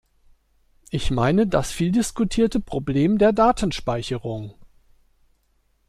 Ich meine das vieldiskutierte Problem der Datenspeicherung.